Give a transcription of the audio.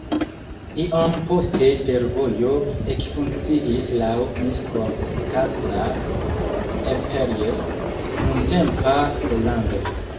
Iom poste fervojo ekfunkciis laŭ Miskolc-Kassa-Eperjes-nuntempa Pollando.